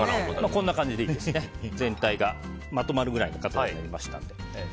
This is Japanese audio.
こんな感じで、全体がまとまるくらいになりました。